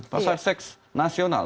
pasar seks nasional